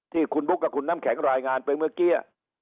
ที่คุณบุ๊คกับคุณน้ำแข็งรายงานไปเมื่อกี้